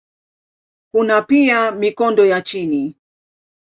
Kuna pia mikondo ya chini.